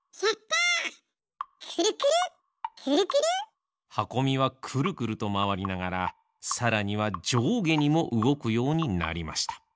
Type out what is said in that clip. くるくるくるくる。はこみはくるくるとまわりながらさらにはじょうげにもうごくようになりました。